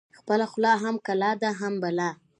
خپله خوله هم کلا ده، هم بلا